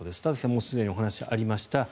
もうすでにお話がありました